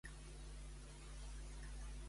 Quan va viure la Timica d'Esparta?